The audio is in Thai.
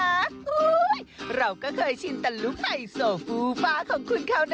อุ้ยเราก็เคยชินตะลุไฟโสฟูฟ้าของคุณเขานะคะ